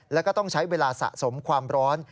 แล้วก็ต้องใช้เวลาสะสมความร้อน